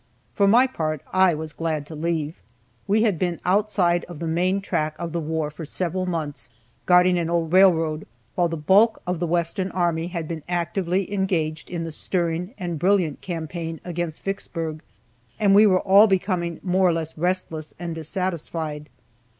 For my part, I was glad to leave. We had been outside of the main track of the war for several months, guarding an old railroad, while the bulk of the western army had been actively engaged in the stirring and brilliant campaign against Vicksburg, and we were all becoming more or less restless and dissatisfied.